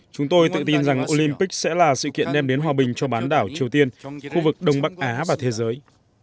chúng tôi tự tin rằng olympic sẽ là sự kiện đem đến hòa bình cho bán đảo triều tiên khu vực đông bắc á và thế giới